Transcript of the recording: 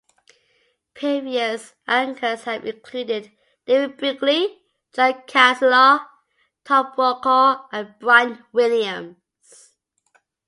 Previous anchors have included David Brinkley, John Chancellor, Tom Brokaw and Brian Williams.